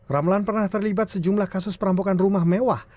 ramlan pernah terlibat sejumlah kasus perampokan rumah mewah